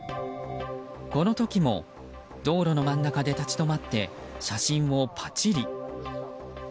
この時も道路の真ん中で立ち止まって、写真をパチリ。